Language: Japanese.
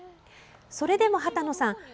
それでも波多野さん